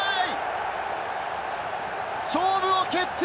勝負を決定